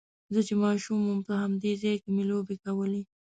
زه چې ماشوم وم په همدې ځای کې مې لوبې کولې.